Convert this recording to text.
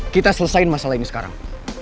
kita selesaikan masalah ini sekarang